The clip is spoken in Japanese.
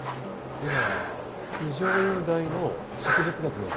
では二条院大の植物学の女性の先生？